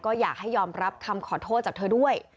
ก็อยากให้ยอมรับคำขอโทษจากเธอด้วย